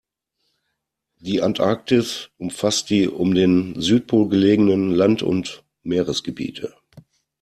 Die Antarktis umfasst die um den Südpol gelegenen Land- und Meeresgebiete.